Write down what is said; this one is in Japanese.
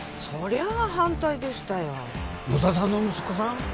そりゃあ反対でしたよ・野田さんの息子さん？